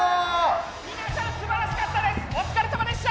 皆さん素晴らしかったです